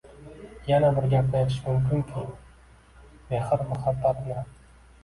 Yana bir gapni aytish mumkinki, mehr-muhabbatni